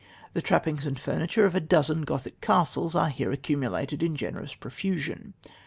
The trappings and furniture of a dozen Gothic castles are here accumulated in generous profusion.